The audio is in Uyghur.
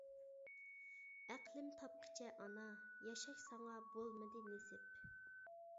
ئەقلىم تاپقىچە ئانا، ياشاش ساڭا بولمىدى نېسىپ.